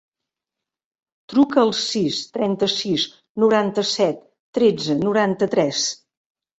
Truca al sis, trenta-sis, noranta-set, tretze, noranta-tres.